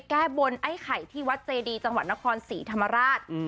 แก้บนไอ้ไข่ที่วัดเจดีจังหวัดนครศรีธรรมราช